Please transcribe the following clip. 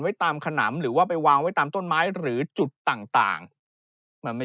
ตามขนำหรือว่าไปวางไว้ตามต้นไม้หรือจุดต่างต่างมันไม่